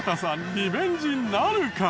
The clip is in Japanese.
リベンジなるか？